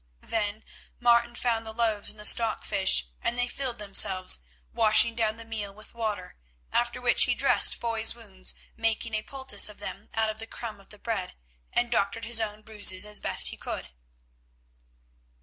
Then Martin found the loaves and the stockfish, and they filled themselves, washing down the meal with water, after which he dressed Foy's wounds, making a poultice for them out of the crumb of the bread, and doctored his own bruises as best he could.